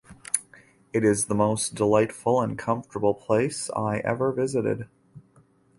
It is the most delightful and comfortable place I ever visited.